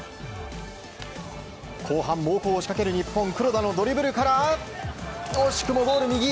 後半、猛攻を仕掛ける日本黒田のドリブルから惜しくもゴール右。